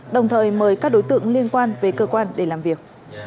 đồng thời mời các đối tượng liên quan về cơ quan để làm việc